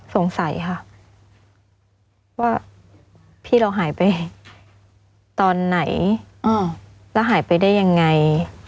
สงสัยค่ะว่าพี่เราหายไปตอนไหนแล้วหายไปได้ยังไง